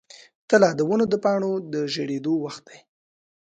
تله د ونو د پاڼو ژیړیدو وخت دی.